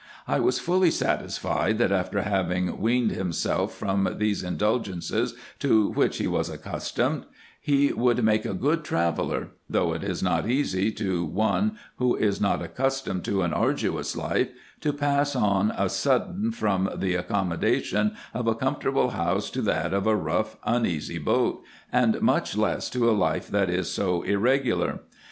I was fully satisfied that, after having weaned him self from those indulgences to which he was accustomed, he would make a good traveller ; though it is not easy, to one who is not accustomed to an arduous life, to pass on a sudden from the ac commodation of a comfortable house to that of a rough uneasy boat, and much less to a life that is so irregular.